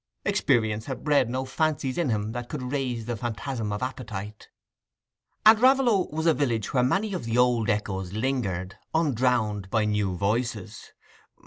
Experience had bred no fancies in him that could raise the phantasm of appetite. And Raveloe was a village where many of the old echoes lingered, undrowned by new voices.